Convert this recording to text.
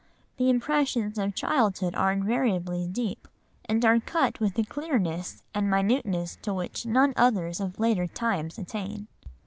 The impressions of childhood are invariably deep, and are cut with a clearness and minuteness to which none others of later times attain.